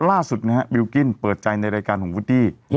ล่าสุดนะครับบิลกิ้นเปิดใจในรายการของวุฒิ